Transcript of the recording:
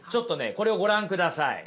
これをご覧ください。